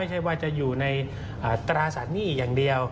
ไม่ใช่ว่าจะอยู่ในตราสารหนี้อย่างเดียว